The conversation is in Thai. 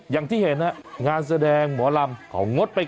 อย่างที่เห็นงานแสดงหมอลำเขางดไป